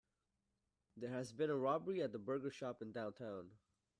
There has been a robbery at the burger shop in downtown.